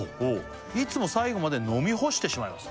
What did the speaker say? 「いつも最後まで飲み干してしまいます」